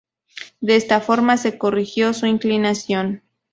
De esta forma se corrigió su inclinación.